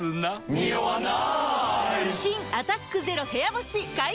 ニオわない！